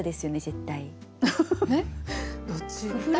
どっち。